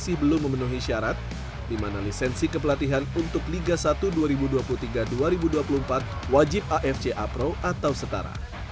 masih belum memenuhi syarat di mana lisensi kepelatihan untuk liga satu dua ribu dua puluh tiga dua ribu dua puluh empat wajib afc a pro atau setara